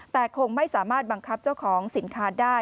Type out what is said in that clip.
แต่คงไม่สามารถบังคับเจ้าของสินค้าได้